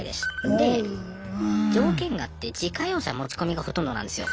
で条件があって自家用車持ち込みがほとんどなんですよ。